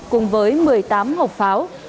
cùng với một mươi tám hộp pháo